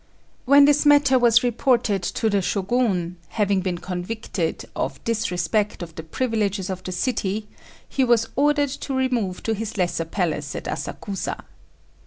When this matter was reported to the Shogun, having been convicted of disrespect of the privileges of the city, he was ordered to remove to his lesser palace at Asakusa.